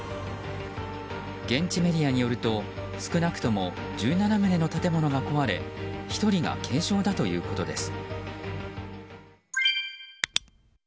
現地メディアによると少なくとも１７棟の建物が壊れ１人が軽傷だということです。